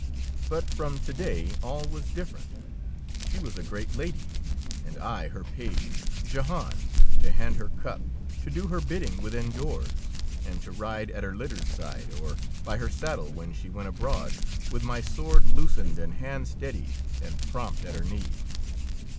But from to day all was different. She was a great lady, and I her page J ehan, to hand her cup, to do her bid ding within doors, and to ride at her litter's side or by her saddle when she went abroad, with my sword loosened and hand steady and prompt at her need.